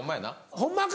ホンマか？